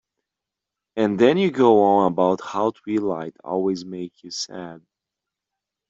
And then you go on about how twilight always makes you sad.